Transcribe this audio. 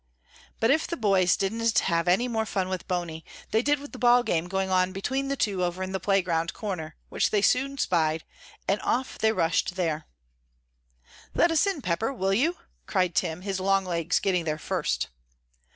But if the boys didn't have any more fun with Bony, they did with the ball game going on between the two over in the playground corner, which they soon spied, and off they rushed there. "Let us in, Pepper, will you?" cried Tim, his long legs getting there first.